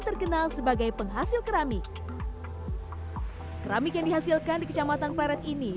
terkenal sebagai penghasil keramik keramik yang dihasilkan di kecamatan pleret ini